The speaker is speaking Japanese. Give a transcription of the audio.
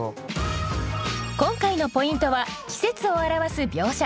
今回のポイントは季節を表す描写。